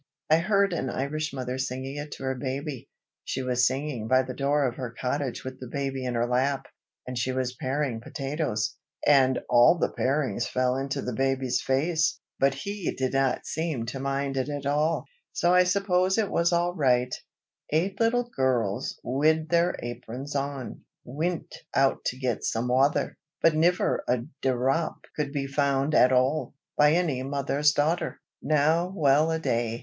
"I heard an Irish mother singing it to her baby. She was sitting by the door of her cottage with the baby in her lap, and she was paring potatoes, and all the parings fell into the baby's face, but he did not seem to mind it at all, so I suppose it was all right." Eight little gurrls wid their aprons on, Wint out to get some wather, But niver a dhrop could be found at ahl, By any mother's daughter. "Now well a day!"